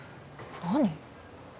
何？